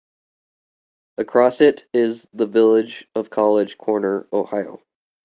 Across it is the village of College Corner, Ohio.